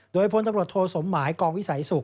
โดยพลตำรวจโทสมหมายกองวิสัยสุข